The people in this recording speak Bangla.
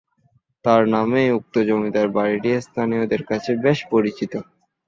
তার নামেই উক্ত জমিদার বাড়িটি স্থানীয়দের কাছে বেশ পরিচিত।